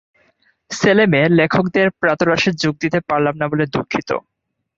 সেলেমে লেখকদের প্রাতরাশে যোগ দিতে পারলাম না বলে দুঃখিত।